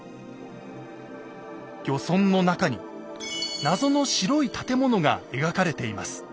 漁村の中に謎の白い建物が描かれています。